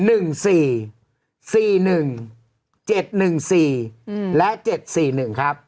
อืมแล้ว๗๔๑ครับ